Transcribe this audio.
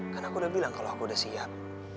kan aku udah bilang kalo aku udah siap